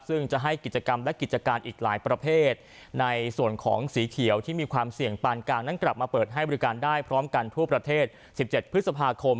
ซึ่งจะให้กิจกรรมและกิจการอีกหลายประเภทในส่วนของสีเขียวที่มีความเสี่ยงปานกลางนั้นกลับมาเปิดให้บริการได้พร้อมกันทั่วประเทศ๑๗พฤษภาคม